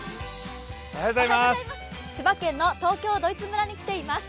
千葉県の東京ドイツ村に来ています。